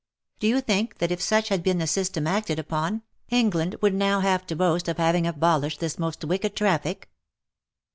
Do you think that if such had been the system acted upon, England would now have to boast of having abolished this most wicked traffic